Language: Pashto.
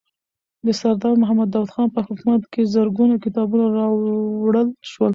د سردار محمد داود خان په حکومت کې زرګونه کتابونه راوړل شول.